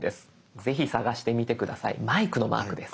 ぜひ探してみて下さいマイクのマークです。